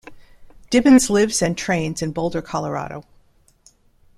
Dibens lives and trains in Boulder, Colorado.